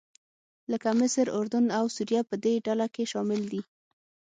لکه مصر، اردن او سوریه په دې ډله کې شامل دي.